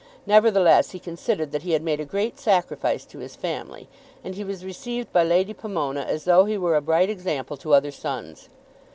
Nevertheless, he considered that he had made a great sacrifice to his family, and he was received by Lady Pomona as though he were a bright example to other sons.